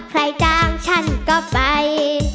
ใครจ้างฉันก็ไป